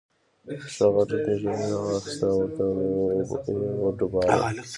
ښه غټه تیږه مې را واخسته او ورته مې یې وډباړه.